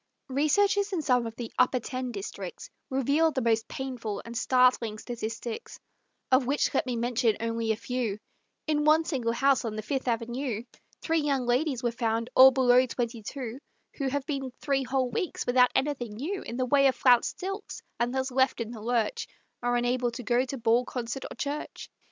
Researches in some of the "Upper Ten" districts Reveal the most painful and startling statistics, Of which let me mention only a few: In one single house on the Fifth Avenue, Three young ladies were found, all below twenty two, Who have been three whole weeks without anything new In the way of flounced silks, and thus left in the lurch, Are unable to go to ball, concert or church.